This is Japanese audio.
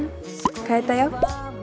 買えたよ。